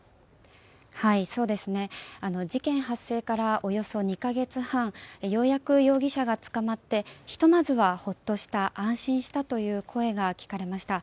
事件発生からおよそ２か月半ようやく容疑者が捕まってひとまずは、ほっとした安心したという声が聞かれました。